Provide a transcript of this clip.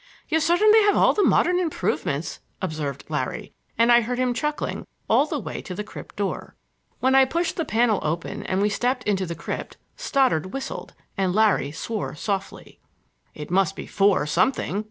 "You certainly have all the modern improvements," observed Larry, and I heard him chuckling all the way to the crypt door. When I pushed the panel open and we stepped out into the crypt Stoddard whistled and Larry swore softly. "It must be for something!"